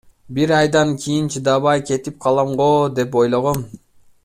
Бир айдан кийин чыдабай кетип калам го деп ойлогом.